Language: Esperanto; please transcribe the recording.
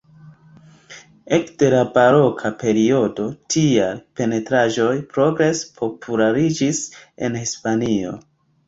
Ekde la baroka periodo, tiaj pentraĵoj progrese populariĝis en Hispanio.